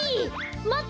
まって！